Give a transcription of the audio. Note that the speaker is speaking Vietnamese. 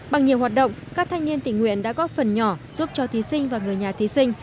bằng nhiều hoạt động các thanh niên tình nguyện đã góp phần nhỏ giúp cho thí sinh và người nhà thí sinh